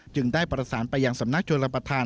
จึงได้ประสานไปอย่างสำนักชนประทาน